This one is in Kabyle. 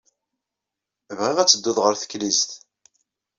Bɣiɣ ad teddud ɣer teklizt.